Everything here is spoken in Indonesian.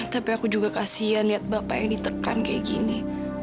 tapi aku juga kasian lihat bapak yang ditekan kayak gini